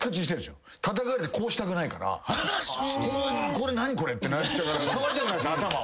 これ何これ？ってなっちゃうから触りたくないんす頭を。